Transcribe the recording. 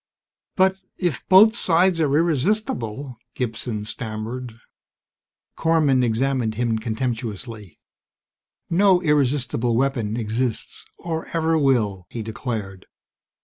"B but if both sides are irresistible ..." Gibson stammered. Korman examined him contemptuously. "No irresistible weapon exists, or ever will!" he declared.